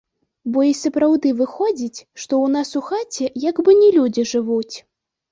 Бо і сапраўды выходзіць, што ў нас у хаце як бы не людзі жывуць.